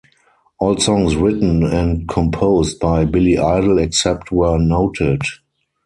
All songs written and composed by Billy Idol except where noted.